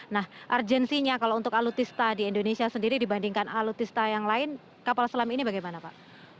nah urgensinya kalau untuk alutista di indonesia sendiri dibandingkan alutista yang lain kapal selam ini bagaimana pak